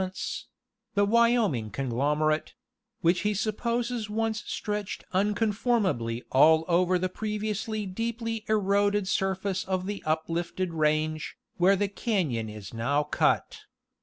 ments—the Wyoming conglomerate—which he supposes once stretched unconformably all'over the previously deeply eroded surface of the uplifted range, where the cafion is. now cut.